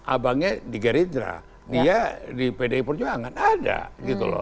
abangnya di gerindra dia di pdi perjuangan ada gitu loh